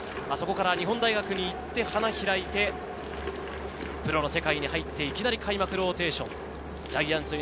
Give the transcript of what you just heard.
そこから日本大学に行って花開いて、プロの世界に入っていきなり開幕ローテーション。